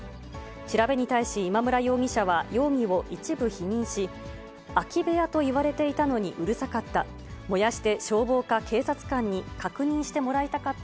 調べに対し、今村容疑者は容疑を一部否認し、空き部屋と言われていたのにうるさかった。